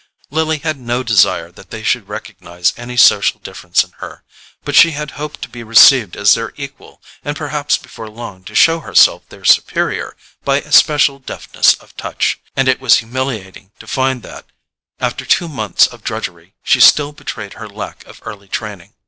Lily had no desire that they should recognize any social difference in her; but she had hoped to be received as their equal, and perhaps before long to show herself their superior by a special deftness of touch, and it was humiliating to find that, after two months of drudgery, she still betrayed her lack of early training.